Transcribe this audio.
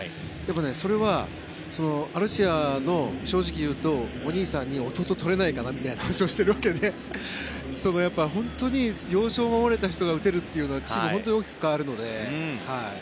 それはアルシアの正直言うと、お兄さんに弟、取れないかなって話をしてるわけでそこは本当に要所を守れる人が打てるというのはチーム本当に大きく変わるので。